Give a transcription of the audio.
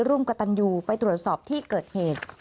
ร่วมกับตันยูไปตรวจสอบที่เกิดเหตุ